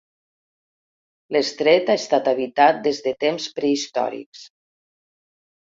L'estret ha estat habitat des de temps prehistòrics.